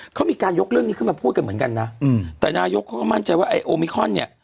เขามีการยกเรื่องนี้ขึ้นมาพูดกันเหมือนกันนะอืมแต่นายกเขาก็มั่นใจว่าไอโอมิคอนเนี่ย